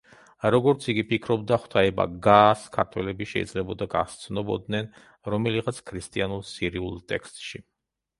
როგორც იგი ფიქრობდა, ღვთაება გას ქართველები შეიძლებოდა გასცნობოდნენ რომელიღაც ქრისტიანულ სირიულ ტექსტში.